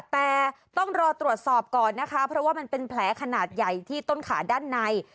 แต่ต้องรอตรวจสอบก่อนนะคะเพราะว่ามันเป็นแผลขนาดใหญ่ที่ต้นขาด้านใน